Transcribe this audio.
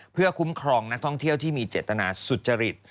เพื่อคุ้มครองนักท่องเที่ยวที่มีเจตนาสุจริต